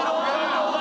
どうだ？